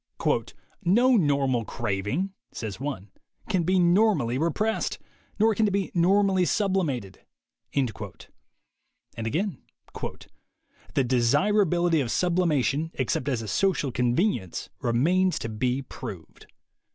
"No normal craving," says one, "can be normally repressed. Nor can it be normally sublimated." And again: "The desir ability of sublimation, except as a social conven ience, remains to be proved."